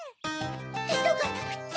いそがなくっちゃ！